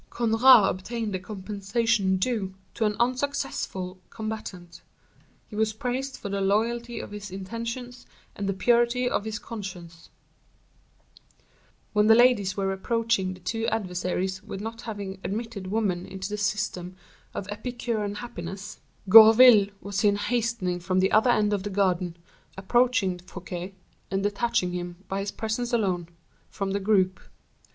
Conrart obtained the compensation due to an unsuccessful combatant; he was praised for the loyalty of his intentions, and the purity of his conscience. At the moment when this jollity was manifesting itself by the most lively demonstrations, when the ladies were reproaching the two adversaries with not having admitted women into the system of Epicurean happiness, Gourville was seen hastening from the other end of the garden, approaching Fouquet, and detaching him, by his presence alone, from the group.